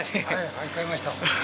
はい買いました。